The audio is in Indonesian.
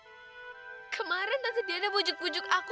jadi kemarin tante diana bujuk bujuk aku